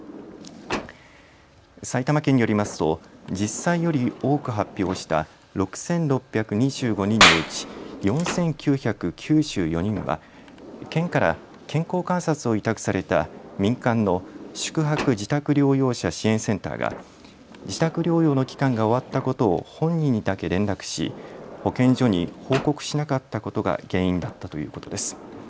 埼玉県によりますと実際より多く発表した６６２５人のうち４９９４人は県から健康観察を委託された民間の宿泊・自宅療養者支援センターが自宅療養の期間が終わったことを本人にだけ連絡し保健所に報告しなかったことが原因だったということです。